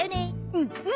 うんうん！